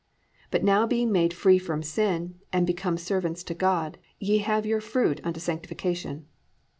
... But now being made free from sin, and become servants to God, ye have your fruit unto sanctification."